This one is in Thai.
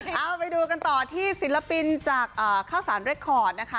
เอาไปดูกันต่อที่ศิลปินจากข้าวสารเรคคอร์ดนะคะ